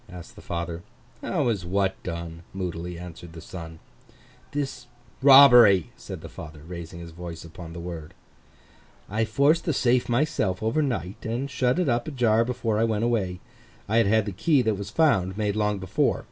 asked the father. 'How was what done?' moodily answered the son. 'This robbery,' said the father, raising his voice upon the word. 'I forced the safe myself over night, and shut it up ajar before I went away. I had had the key that was found, made long before.